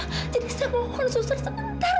jadi saya mohon susar sebentar